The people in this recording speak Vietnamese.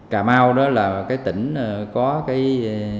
cà mau đó là cái tỉnh có cái